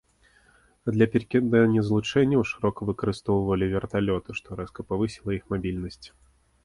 Для перакідання злучэнняў шырока выкарыстоўвалі верталёты, што рэзка павысіла іх мабільнасць.